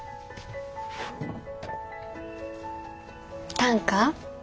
短歌？